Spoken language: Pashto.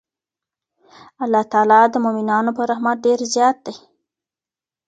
الله تعالی د مؤمنانو په رحمت ډېر زیات دی.